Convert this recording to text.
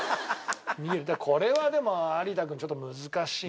これはでも有田君ちょっと難しいな。